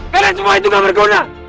karena semua itu gak berguna